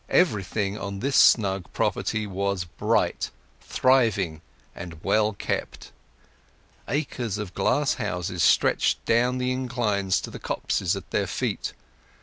Everything on this snug property was bright, thriving, and well kept; acres of glass houses stretched down the inclines to the copses at their feet.